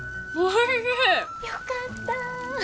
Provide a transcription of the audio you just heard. よかった。